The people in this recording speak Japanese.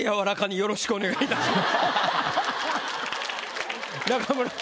よろしくお願いします。